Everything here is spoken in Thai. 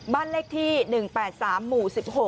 บ้านเลขที่๑๘๓หมู่๑๖